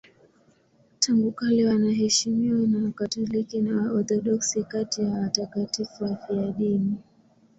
Tangu kale wanaheshimiwa na Wakatoliki na Waorthodoksi kati ya watakatifu wafiadini.